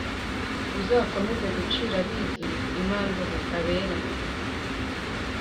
Uzakomeza gucira abizi imanza zitabera